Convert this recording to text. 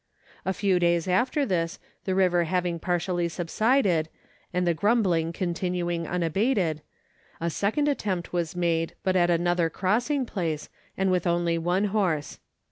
A few days after this, the river having partially subsided, and the grumbling continuing unabated, a second attempt was made, but at another crossing place, and with only one horse.